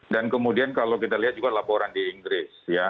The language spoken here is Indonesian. kemudian kalau kita lihat juga laporan di inggris